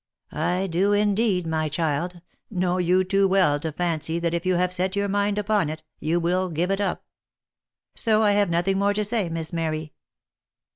"" I do indeed, my child, know you too well to fancy that if you have set your mind upon it, you will give it up ; so I have nothing more to say, Miss Mary."